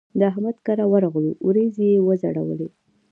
د احمد کره ورغلوو؛ وريځې يې وځړولې.